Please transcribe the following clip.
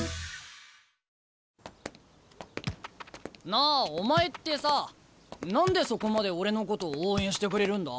なあお前ってさ何でそこまで俺のことを応援してくれるんだ？